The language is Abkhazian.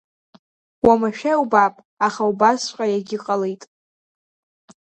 Уамашәа иубап, аха убасҵәҟьа иагьыҟалеит.